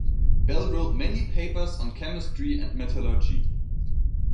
Bell wrote many papers on chemistry and metallurgy.